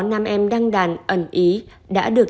nam em đăng đàn ẩn ý đã được